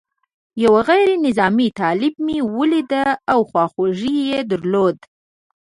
یو غیر نظامي طالب مې ولید او خواخوږي یې درلوده.